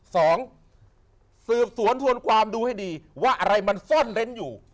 สองสืบสวนทวนความดูให้ดีว่าอะไรมันซ่อนเร้นอยู่